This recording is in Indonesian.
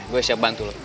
gue siap bantu lo